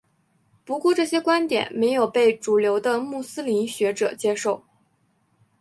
不过这些观点没有被主流的穆斯林学者接受。